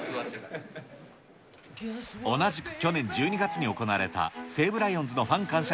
同じく去年１２月に行われた、西武ライオンズのファン感謝